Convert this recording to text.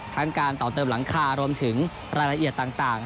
การต่อเติมหลังคารวมถึงรายละเอียดต่าง